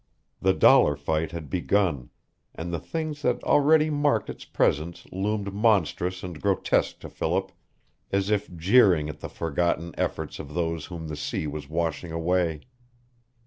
The dollar fight had begun, and the things that already marked its presence loomed monstrous and grotesque to Philip, as if jeering at the forgotten efforts of those whom the sea was washing away.